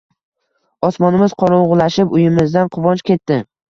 Osmonimiz qorongʻulashib, uyimizdan quvonch ketdi...